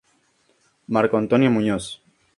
Marco Antonio Muñoz.